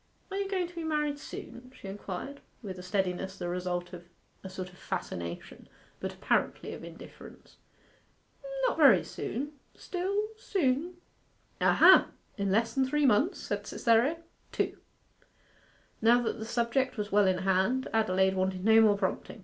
'Are you going to be married soon?' she inquired, with a steadiness the result of a sort of fascination, but apparently of indifference. 'Not very soon still, soon.' 'Ah ha! In less than three months?' said Cytherea. 'Two.' Now that the subject was well in hand, Adelaide wanted no more prompting.